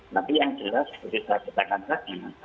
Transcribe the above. tapi yang jelas seperti saya katakan tadi